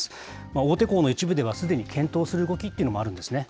大手行の一部ではすでに検討する動きっていうのもあるんですね。